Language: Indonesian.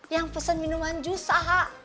yang pesen minuman jus aha